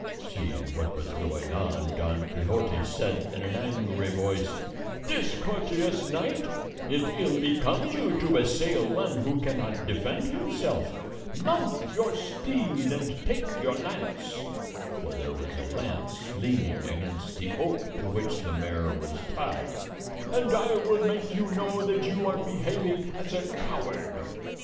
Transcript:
Seeing what was going on, Don Quixote said in an angry voice, "Discourteous knight, it ill becomes you to assail one who cannot defend himself; mount your steed and take your lance" (for there was a lance leaning against the oak to which the mare was tied), "and I will make you know that you are behaving as a coward."